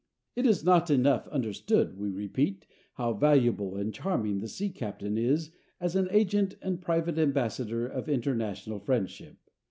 It is not enough understood, we repeat, how valuable and charming the sea captain is as an agent and private ambassador of international friendship.